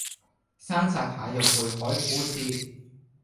生拆蟹肉燴海虎翅